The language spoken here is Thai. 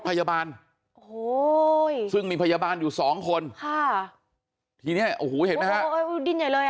ภายบาลอยู่สองคนค่ะทีเนี่ยโอ้โหเห็นป่ะโอ้โอ้โปยยาเลย